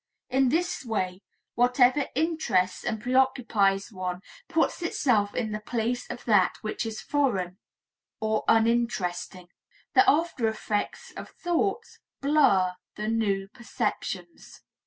In this way, whatever interests and preoccupies one puts itself in the place of that which is foreign or uninteresting. The after effects of thoughts blur the new perceptions.